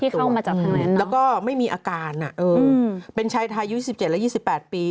คือที่เข้ามาจากทางไหนเนอะแล้วก็ไม่มีอาการนะเป็นชายทายุ๒๗และ๒๘ปี